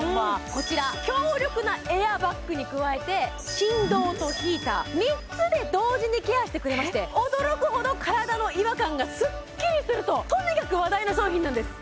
こちらに加えて３つで同時にケアしてくれまして驚くほど体の違和感がスッキリするととにかく話題の商品なんです